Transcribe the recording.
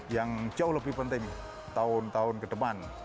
yang jauh lebih penting tahun tahun ke depan